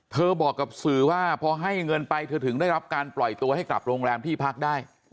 บอกกับสื่อว่าพอให้เงินไปเธอถึงได้รับการปล่อยตัวให้กลับโรงแรมที่พักได้